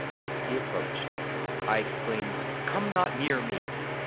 He approached—I exclaimed, 'Come not near me!